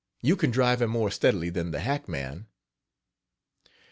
You can drive him more steadily than the hackman.